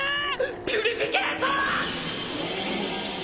ピュリフィケイション！